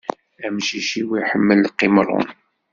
Amcic-iw iḥemmel qimṛun.